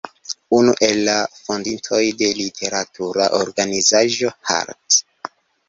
Unu el la fondintoj de literatura organizaĵo "Hart'.